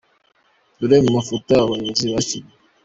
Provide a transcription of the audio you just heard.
Dore mu mafoto aba bayobozi bakiriwe .